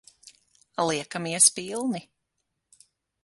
Liekamies pilni.